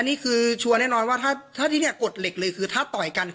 นี่คือชัวร์แน่นอนว่าถ้าจะมาแต่ต่อยกัน